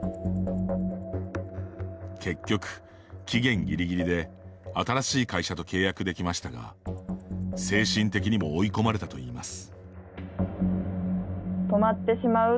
結局、期限ぎりぎりで新しい会社と契約できましたが精神的にも追い込まれたといいます。